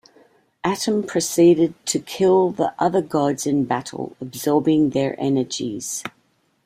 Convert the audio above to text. Atum proceeded to kill the other Gods in battle, absorbing their energies.